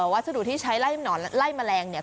วัสดุที่ใช้ไล่หนอนไล่แมลงเนี่ย